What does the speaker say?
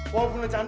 walaupun lo cantik